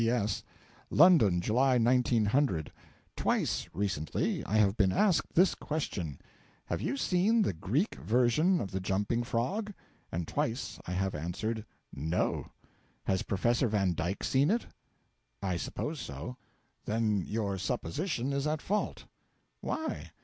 P.S. London, July, 1900. Twice, recently, I have been asked this question: 'Have you seen the Greek version of the "Jumping Frog"?' And twice I have answered 'No.' 'Has Professor Van Dyke seen it?' 'I suppose so.' 'Then you supposition is at fault.' 'Why?'